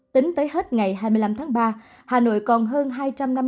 tính tới hết ngày hai mươi năm tháng ba hà nội còn hơn hai trăm năm mươi hai bảy trăm linh ca